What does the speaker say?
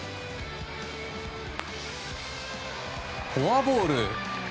フォアボール。